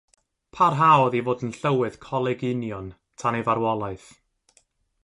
Parhaodd i fod yn llywydd Coleg Union tan ei farwolaeth.